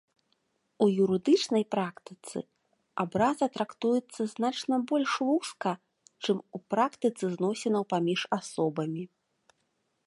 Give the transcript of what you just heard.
У юрыдычнай практыцы абраза трактуецца значна больш вузка, чым у практыцы зносінаў паміж асобамі.